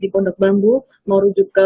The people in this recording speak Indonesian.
di pondok bambu mau rujuk ke